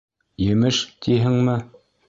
— Емеш, тиһеңме!